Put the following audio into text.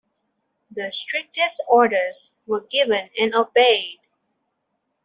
The strictest orders were given and obeyed.